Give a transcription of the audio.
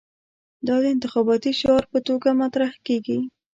دا د انتخاباتي شعار په توګه مطرح کېږي.